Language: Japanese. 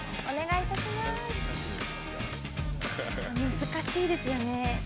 難しいですよね。